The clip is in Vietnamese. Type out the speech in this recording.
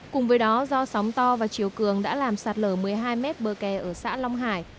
cùng với đó do sóng to và chiều cường đã làm sạt lở một mươi hai mét bờ kè ở xã long hải